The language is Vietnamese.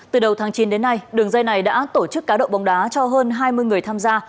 từ đầu tháng chín đến nay đường dây này đã tổ chức cá độ bóng đá cho hơn hai mươi người tham gia